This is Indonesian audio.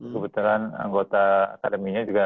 kebetulan anggota akademinya juga